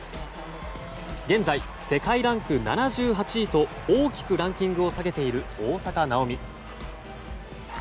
現在、世界ランク７８位と大きくランキングを下げている大坂なおみ。